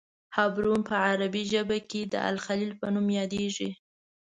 حبرون په عربي کې د الخلیل په نوم یادیږي.